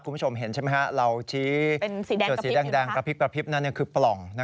คุณผู้ชมเห็นใช่ไหมฮะเราชี้จุดสีแดงกระพริบกระพริบนั้นคือปล่อง